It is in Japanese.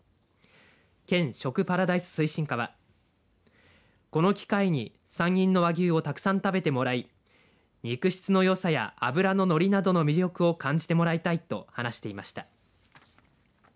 県食パラダイス推進課はこの機会に山陰の和牛をたくさん食べてもらい肉質のよさや脂ののりなどの魅力を感じてもらいたいと話していました。